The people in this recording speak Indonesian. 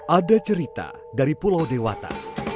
ada cerita dari pulau dewata